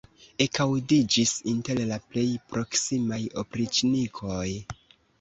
ekaŭdiĝis inter la plej proksimaj opriĉnikoj.